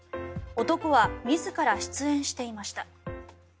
男は自ら出演していました。